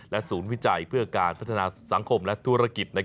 ศูนย์วิจัยเพื่อการพัฒนาสังคมและธุรกิจ